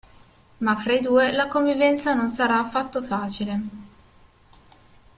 Ma fra i due la convivenza non sarà affatto facile...